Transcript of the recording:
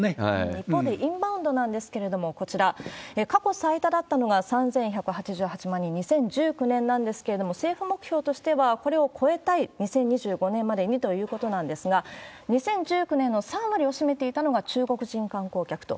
一方でインバウンドなんですけれども、こちら、過去最多だったのが３１８８万人、２０１９年なんですけれども、政府目標としてはこれを超えたい、２０２５年までにということなんですが、２０１９年の３割を占めていたのが、中国人観光客と。